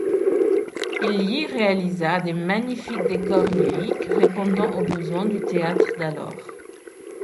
Il y réalisa de magnifiques décors lyriques, répondant aux besoins du théâtre d'alors.